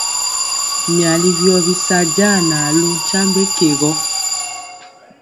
Myali wyɔ bisa janalu nkyambe ke gɔ.